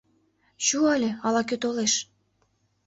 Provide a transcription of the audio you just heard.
Чу але, ала-кӧ толеш.